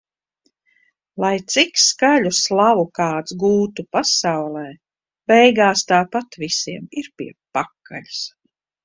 Lai cik skaļu slavu kāds gūtu pasaulē - beigās tāpat visiem ir pie pakaļas.